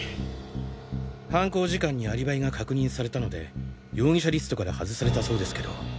犯行時間にアリバイが確認されたので容疑者リストから外されたそうですけど。